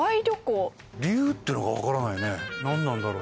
⁉「流」っていうのが分からないね何なんだろう？